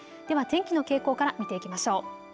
では天気の傾向から見ていきましょう。